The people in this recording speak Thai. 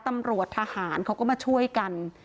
ตำรวจทหารเขาก็มาช่วยกัน